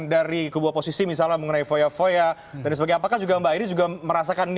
dari kebua posisi misalnya mengenai foya foya dan sebagai apakah juga mbak ini juga merasakan